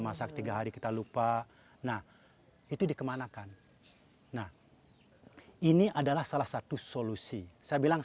masak tiga hari kita lupa nah itu dikemanakan nah ini adalah salah satu solusi saya bilang